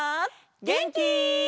げんき？